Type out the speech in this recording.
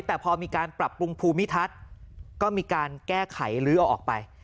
แต่พอมีการปรับปรุงภูมิทัศน์ก็มีการแก้ไขลื้อเอาออกไป